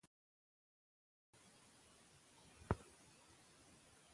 د پرېکړو بې وخته کول زیان رسوي